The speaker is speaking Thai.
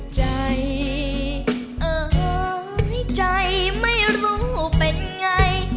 ใจเอ่ยใจไม่รู้เป็นไง